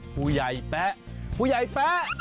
ผู้ใหญ่แป๊ะ